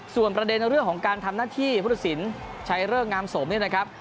ส่วนประเด็นเรื่องของการทำหน้าที่พุทธศิลป์ชัยเริกงามสมเนี่ยนะครับ